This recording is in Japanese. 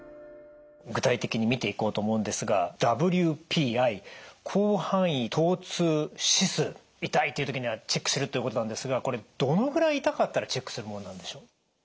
具体的に見ていこうと思うんですが痛いという時にはチェックするということなんですがこれどのぐらい痛かったらチェックするものなんでしょう？